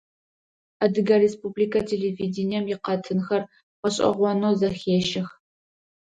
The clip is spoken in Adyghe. Адыгэ республикэ телевидением икъэтынхэр гъэшӀэгъонэу зэхещэх.